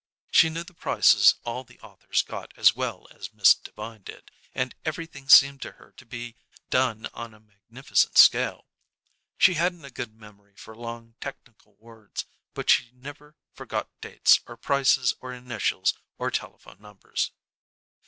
She knew the prices all the authors got as well as Miss Devine did, and everything seemed to her to be done on a magnificent scale. She hadn't a good memory for long technical words, but she never forgot dates or prices or initials or telephone numbers.